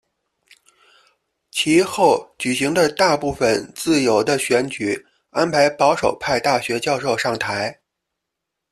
其后举行的大部分自由的选举安排保守派大学教授上台。